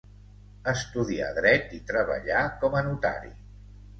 Estudià dret i treballà com a notari.